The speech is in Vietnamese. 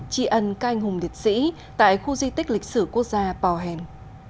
chị ấn các anh hùng liệt sĩ tại khu di tích lịch sử quốc gia bò hèn